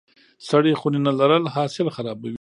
سړې خونې نه لرل حاصل خرابوي.